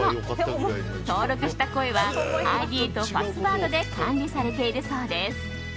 登録した声はＩＤとパスワードで管理されているそうです。